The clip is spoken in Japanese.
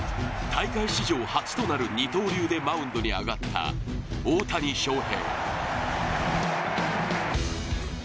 ＷＢＣ開幕戦、大会史上初となる二刀流でマウンドに上がった大谷翔平。